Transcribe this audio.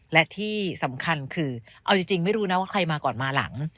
และที่สำคัญคือเอาจริงไม่รู้นะว่าใครมาก่อนมาหลัง